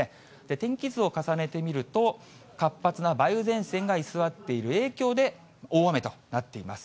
天気図を重ねてみると、活発な梅雨前線が居座っている影響で、大雨となっています。